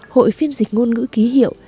hội phiên dịch ngôn ngữ ký hiệu